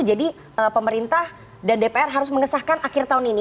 jadi pemerintah dan dpr harus mengesahkan akhir tahun ini